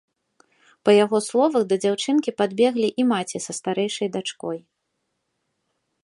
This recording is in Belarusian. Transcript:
Па яго словах, да дзяўчынкі падбеглі і маці са старэйшай дачкой.